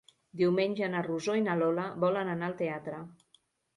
Diumenge na Rosó i na Lola volen anar al teatre.